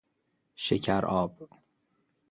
شکر آب